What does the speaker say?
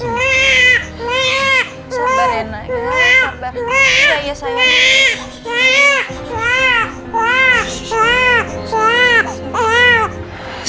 mau pindah ke rumah skrg